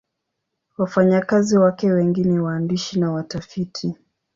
Wafanyakazi wake wengi ni waandishi na watafiti.